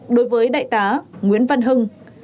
đối với đại tá nguyễn văn hưng